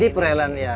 di perairan ya